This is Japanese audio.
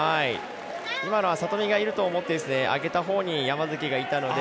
今のは里見がいると思って上げたほうに山崎がいたので。